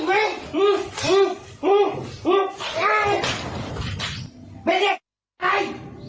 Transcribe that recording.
ไม่ได้ไอ้